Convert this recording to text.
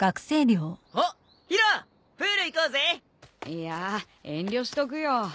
いや遠慮しとくよ。